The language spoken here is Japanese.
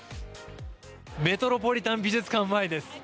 メトロポリタン美術館前です。